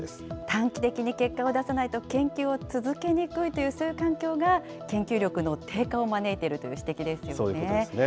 短期的に結果を出さないと研究を続けにくいというそういう環境が、研究力の低下を招いているという指摘ですよね。